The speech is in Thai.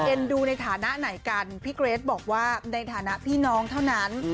ดูในฐานะไหนกันพี่เกรทบอกว่าในฐานะพี่น้องเท่านั้น